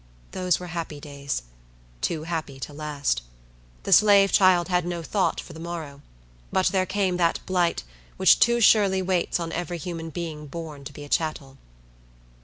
Those were happy days—too happy to last. The slave child had no thought for the morrow; but there came that blight, which too surely waits on every human being born to be a chattel.